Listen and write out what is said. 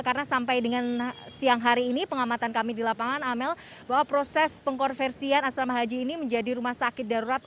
karena sampai dengan siang hari ini pengamatan kami di lapangan amel bahwa proses pengkorversian asrama haji ini menjadi rumah sakit darurat